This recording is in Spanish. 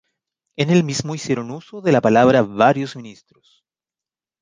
En el mismo hicieron uso de la palabra varios ministros.